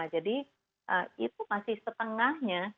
jadi itu masih setengahnya